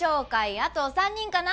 あと３人かな？